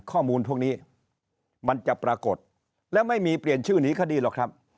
ข้อมูลพวกนี้มันจะปรากฏแล้วไม่มีเปลี่ยนชื่อหนีคดีหรอกครับ